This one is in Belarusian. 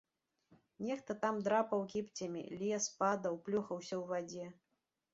Нехта там драпаў кіпцямі, лез, падаў, плюхаўся ў вадзе.